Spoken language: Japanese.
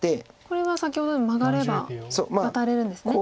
これは先ほどのようにマガればワタれるんですね。